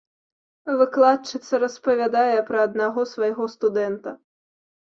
Выкладчыца распавядае пра аднаго свайго студэнта.